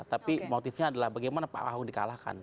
tapi motifnya adalah bagaimana pak ahok di kalahkan